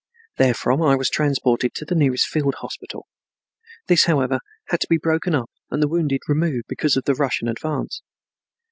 Therefrom I was transported to the nearest field hospital. This, however, had to be broken up and the wounded removed because of the Russian advance.